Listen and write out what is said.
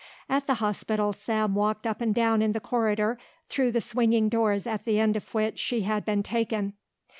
At the hospital Sam walked up and down in the corridor through the swinging doors at the end of which she had been taken.